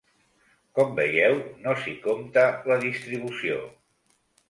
Com veieu, no s’hi compta la distribució.